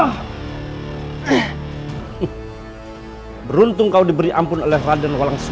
hai beruntung kau diberi ampun oleh raden walang susu